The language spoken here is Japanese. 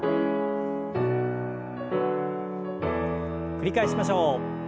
繰り返しましょう。